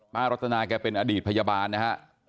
ป้ารัฐนาแกเป็นอดีตพยาบาลนะครับ